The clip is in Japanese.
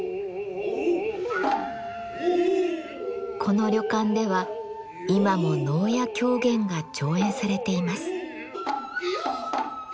この旅館では今も能や狂言が上演されています。